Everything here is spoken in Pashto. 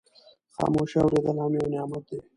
خاموشي اورېدل هم یو نعمت دی.